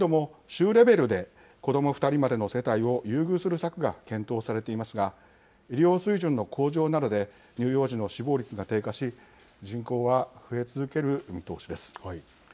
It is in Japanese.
インドも州レベルで子ども２人までの世帯を優遇する策が検討されていますが医療水準の向上などで乳幼児の死亡率が低下し人口は増え続ける見通しです。